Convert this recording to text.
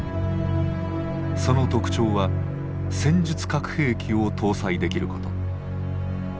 その特徴は「戦術核兵器」を搭載できること。